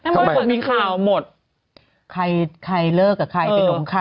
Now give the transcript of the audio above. สวัสดีค่ะข้าวใส่ไข่สดใหม่เยอะสวัสดีค่ะ